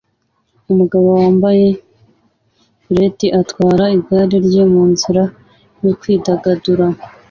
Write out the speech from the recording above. Umugabo wambaye beret atwara igare rye munzira yo kwidagadura